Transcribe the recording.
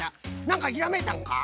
なんかひらめいたんか？